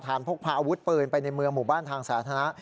พกพาอาวุธปืนไปในเมืองหมู่บ้านทางสาธารณะ